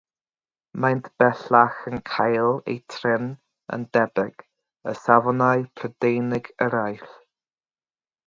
Maent bellach yn cael eu trin yn debyg i Safonau Prydeinig eraill.